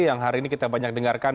yang hari ini kita banyak dengarkan